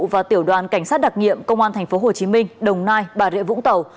và tiểu đoàn cảnh sát đặc nhiệm công an tp hcm đồng nai bà rịa vũng tàu